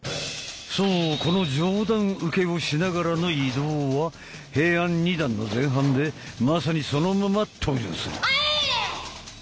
そうこの上段受けをしながらの移動は平安二段の前半でまさにそのまま登場する。